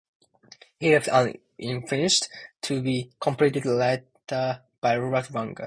He left it unfinished, to be completed later by Robert Wagner.